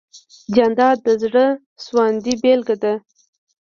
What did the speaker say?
جانداد د زړه سواندۍ بېلګه ده.